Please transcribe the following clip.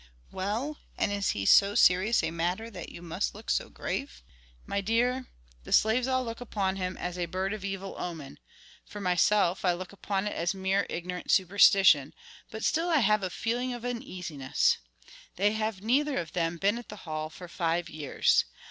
"Well, and is he so serious a matter that you must look so grave?" "My dear, the slaves all look upon him as a bird of evil omen; for myself, I look upon it as mere ignorant superstition, but still I have a feeling of uneasiness. They have neither of them been at the Hall for five years.